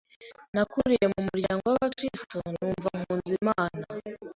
Nakuriye mu muryango w’abakristo, numvaga nkunze Imana